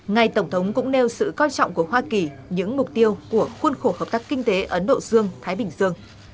ngài tổng thống cũng nêu sự coi trọng của hoa kỳ những mục tiêu của khuôn khổ hợp tác kinh tế ấn độ dương thái bình dương